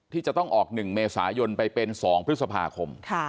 ที่จะต้องออก๑เมษายนไปเป็น๒พฤษภาคม